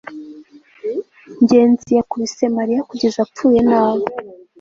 ngenzi yakubise mariya kugeza apfuye nabi